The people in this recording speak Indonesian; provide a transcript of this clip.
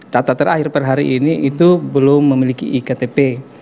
data terakhir per hari ini itu belum memiliki ektp